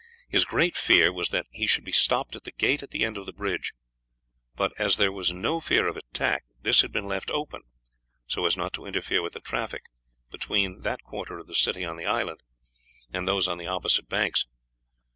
His great fear was that he should be stopped at the gate at the end of the bridge; but as there was no fear of attack this had been left open, so as not to interfere with the traffic between that quarter of the city on the island and those on the opposite banks.